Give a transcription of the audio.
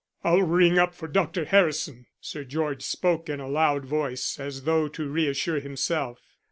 "I'll ring up for Dr. Harrison," Sir George spoke in a loud voice, as though to reassure himself.